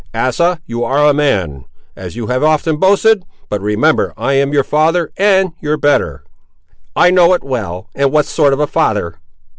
"Asa, you ar' a man, as you have often boasted; but remember I am your father, and your better." "I know it well; and what sort of a father?"